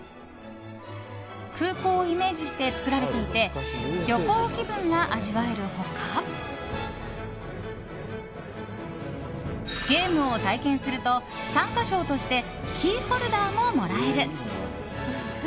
空港をイメージして作られていて旅行気分が味わえる他ゲームを体験すると参加賞としてキーホルダーももらえる。